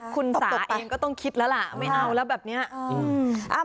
คุณสาเองก็ต้องคิดแล้วล่ะไม่เอาแล้วแบบนี้